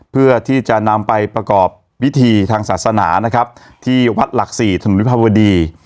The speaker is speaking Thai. เพื่อที่จะนำไปประกอบพิธีทางศาสนานะครับที่วัดหลักสี่ถนนวิภาวดี